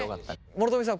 諸富さん